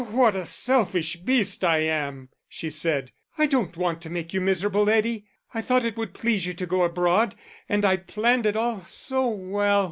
"What a selfish beast I am!" she said. "I don't want to make you miserable, Eddie. I thought it would please you to go abroad, and I'd planned it all so well....